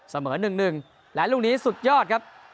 เสมอ๑๑และลูกนี้สุดยอดครับ